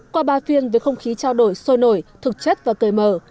qua ba phiên về không khí trao đổi sôi nổi thực chất và cười mở